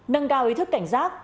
nâng cao ý thức cảnh giác